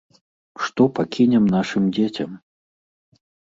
Што пакінем нашым дзецям?